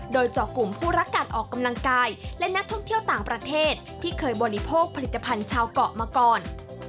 โดยเจาะกลุ่มผู้รักการออกกำลังกายและนักท่องเที่ยวต่างประเทศที่เคยบริโภคผลิตภัณฑ์ชาวเกาะมาก่อน